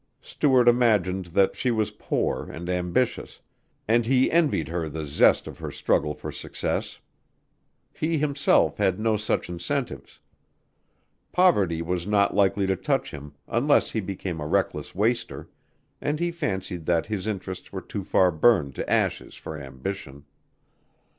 Stuart imagined that she was poor and ambitious, and he envied her the zest of her struggle for success. He himself had no such incentives. Poverty was not likely to touch him unless he became a reckless waster, and he fancied that his interests were too far burned to ashes for ambition.